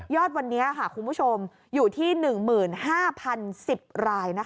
ยอดวันนี้ค่ะคุณผู้ชมอยู่ที่๑๕๐๑๐รายนะคะ